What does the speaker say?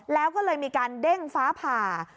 แล้วก็เลยมีการเด้งฟ้าผ่า